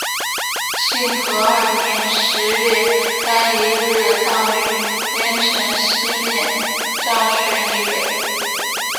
兴和二年十月廿一日葬于邺城西面漳水以北。